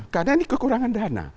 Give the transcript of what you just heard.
karena ini kekurangan dana